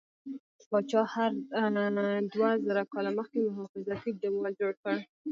پاچا هرډ دوه زره کاله مخکې محافظتي دیوال جوړ کړ.